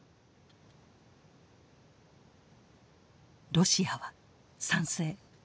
ロシアは賛成。